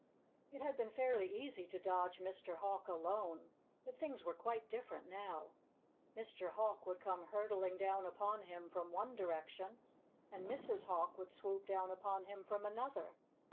It had been fairly easy to dodge Mr. Hawk alone. But things were quite different now. Mr. Hawk would come hurtling down upon him from one direction; and Mrs. Hawk would swoop down upon him from another.